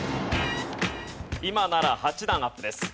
今なら８段アップです。